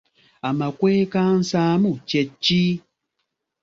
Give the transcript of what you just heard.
Amakwekansaamu kye ki?